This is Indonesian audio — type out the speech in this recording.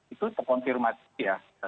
itu terkonfirmasi ya